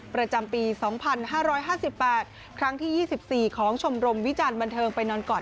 ประจำปี๒๕๕๘ครั้งที่๒๔ของชมรมวิจารณบันเทิงไปนอนกอด